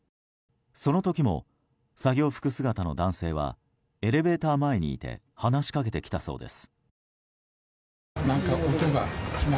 その時も、作業服姿の男性はエレベーター前にいて話しかけてきたそうです。